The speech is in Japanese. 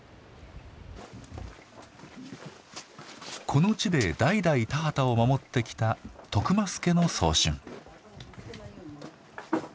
この地で代々田畑を守ってきた徳増家の早春。